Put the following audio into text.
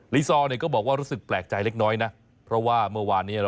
ซอลก็บอกว่ารู้สึกแปลกใจเล็กน้อยนะเพราะว่าเมื่อวานนี้